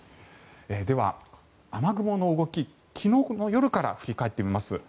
では、雨雲の動き昨日の夜から振り返ってみます。